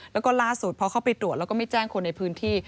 แล้วก็ล่าสุดพอเข้าไปตรวจแล้วก็ไม่แจ้งคนในพื้นที่